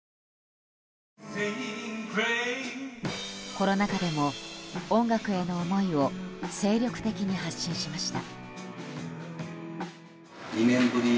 コロナ禍でも、音楽への思いを精力的に発信しました。